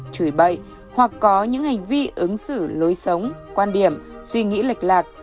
chùi bậy hoặc có những hành vi ứng xử lối sống quan điểm suy nghĩ lệch lạc